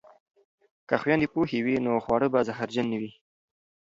که خویندې پوهې وي نو خواړه به زهرجن نه وي.